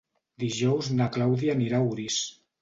Dijous na Clàudia anirà a Orís.